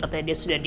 katanya dia sudah di